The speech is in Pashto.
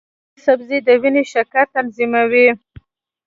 دا سبزی د وینې شکر تنظیموي.